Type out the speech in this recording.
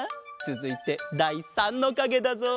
つづいてだい３のかげだぞ。